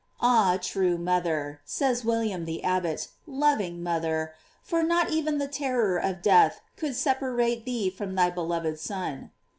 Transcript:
Ah, true mother! says William the Abbot, loving mother! for not even the terror of death could separate thee from thy beloved Son.